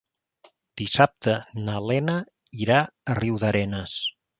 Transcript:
Dissabte na Lena irà a Riudarenes.